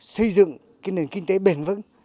xây dựng nền kinh tế bền vững